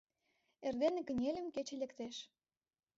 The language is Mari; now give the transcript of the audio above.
Эрдене кынельым — кече лектеш.